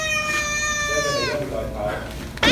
เดินไปไหนย่อมมีรอยเท้า